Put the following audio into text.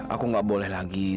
aku gak boleh lagi